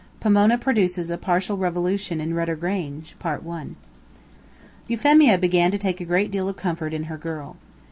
POMONA PRODUCES A PARTIAL REVOLUTION IN RUDDER GRANGE. Euphemia began to take a great deal of comfort in her girl.